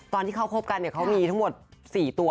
ตอนที่เขาคบกันเขามีทั้งหมด๔ตัว